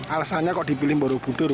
alasannya kok dipilih borobudur